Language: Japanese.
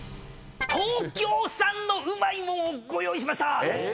東京産のうまいもんをご用意しました。